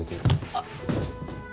あっ。